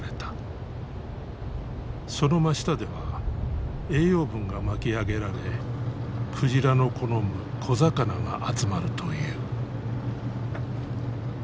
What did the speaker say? その真下では栄養分が巻き上げられ鯨の好む小魚が集まるという。